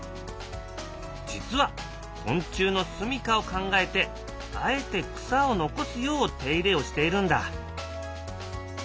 実は昆虫のすみかを考えてあえて草を残すよう手入れをしているんだ。